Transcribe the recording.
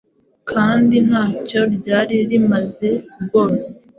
kandi ntacyo ryari rimaze rwose.